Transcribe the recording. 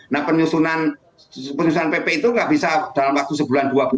nah penyusunan penyusunan pp itu nggak bisa dalam waktu sebulan dua bulan